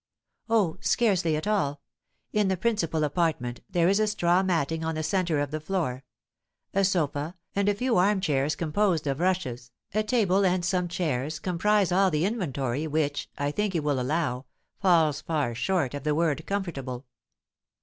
"Oh, scarcely at all! In the principal apartment there is a straw matting on the centre of the floor; a sofa, and a few arm chairs composed of rushes, a table, and some chairs, comprise all the inventory, which, I think you will allow, falls far short of the word comfortable."